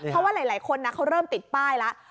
เพราะว่าหลายคนเขาเริ่มติดป้ายแล้ว